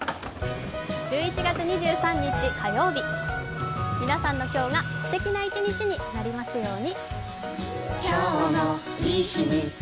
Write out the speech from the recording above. １１月２３日火曜日、皆さんの今日がすてきな一日になりますように。